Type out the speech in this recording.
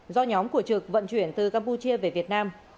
do nhóm của trực vận chuyển từ campuchia về việt nam